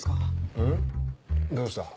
うんどうした？